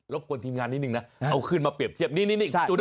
บกวนทีมงานนิดนึงนะเอาขึ้นมาเปรียบเทียบนี่